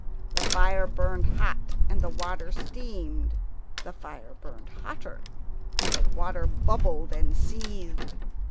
The fire burned hot and the water steamed. The fire burned hotter, and the water bubbled and seethed.